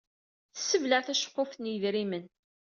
Tessebleɛ taceqquft n yedrimen.